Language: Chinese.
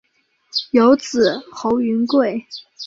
有子侯云桂。